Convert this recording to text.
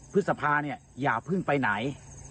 พฤษภาอย่าพึ่งไปไหน